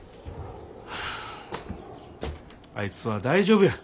あいつは大丈夫や。